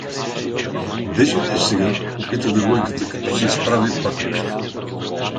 — Де живееш сега? — попита девойката, като се изправя пак.